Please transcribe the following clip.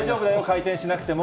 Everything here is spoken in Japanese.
回転しなくて。